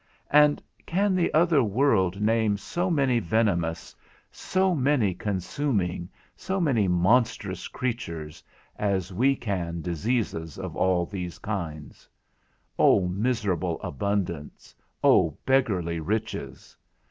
And can the other world name so many venomous, so many consuming, so many monstrous creatures, as we can diseases of all these kinds? O miserable abundance, O beggarly riches!